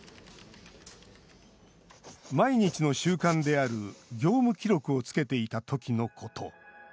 毎日の習慣である業務記録をつけていたときのこと。